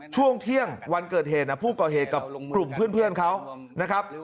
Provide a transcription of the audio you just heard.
ช่วงเที่ยงวันเกิดเหตุผู้ก่อเหตุกับกลุ่มเพื่อนเขานะครับ